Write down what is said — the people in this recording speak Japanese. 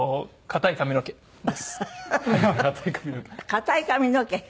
硬い髪の毛？